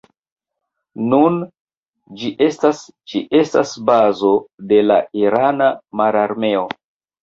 Nun ĝi estas ĝi estas bazo de la Irana Mararmeo.